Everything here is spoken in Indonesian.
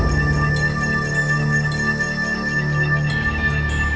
aku harus selamatkan faridah